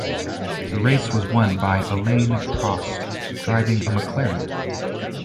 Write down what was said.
The race was won by Alain Prost driving a McLaren.